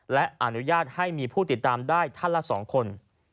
และอนุญาตให้มีผู้ติดตามได้ท่านละ๒คน